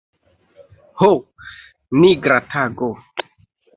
Ho, nigra tago!